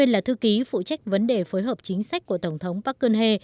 là thư ký phụ trách vấn đề phối hợp chính sách của tổng thống park geun hye